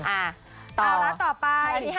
อ่าสอบต่อไป